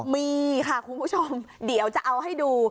มีค่ะคุณผู้ชมเดี๋ยวจะเอาให้ดู